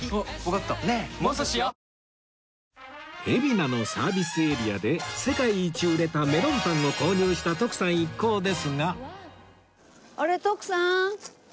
海老名のサービスエリアで世界一売れたメロンパンを購入した徳さん一行ですが